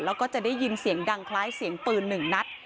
แล้วก็จะได้ยินเสียงดังคล้ายเสียงปืนหนึ่งนัด